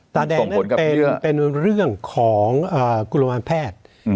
ตาแดงนั่นเป็นเรื่องของกุลมารแพทย์